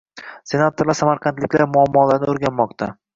Senatorlar samarqandliklar muammolarini o‘rganmoqda